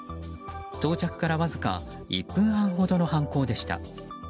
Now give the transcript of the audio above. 到着からわずか１分半ほどの犯行でした。